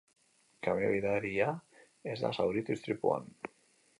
Kamioi gidaria ez da zauritu istripuan.